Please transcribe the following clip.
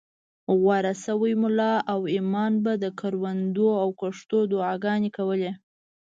غوره شوي ملا او امام به د کروندو او کښتو دعاګانې کولې.